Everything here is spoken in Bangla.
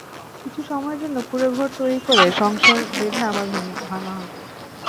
কিছু সময়ের জন্য কুঁড়েঘর তৈরি করে সংসার বেঁধে আবার ভাঙা হতো।